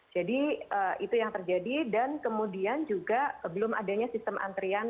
jadi itu yang terjadi dan kemudian juga belum adanya sistem antrian